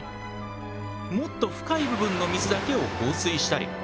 もっと深い部分の水だけを放水したり。